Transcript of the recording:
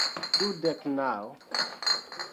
Dudek naŭ